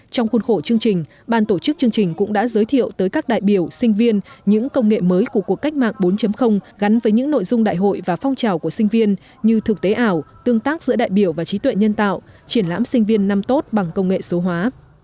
trong khuôn khổ chương trình ban tổ chức chương trình cũng đã giới thiệu tới các đại biểu sinh viên những công nghệ mới của cuộc cách mạng bốn gắn với những nội dung đại hội và phong trào của sinh viên như thực tế ảo tương tác giữa đại biểu và trí tuệ nhân tạo triển lãm sinh viên năm tốt bằng công nghệ số hóa